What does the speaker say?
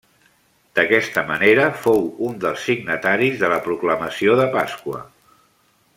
D'aquesta manera, fou un dels signataris de la Proclamació de Pasqua.